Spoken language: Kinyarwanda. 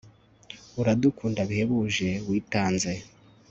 uradukunda bihebuje witanze